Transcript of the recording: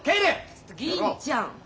ちょっと銀ちゃん。